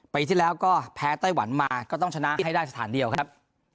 ปีที่แล้วก็แพ้ไต้หวันมาก็ต้องชนะให้ได้สถานเดียวครับ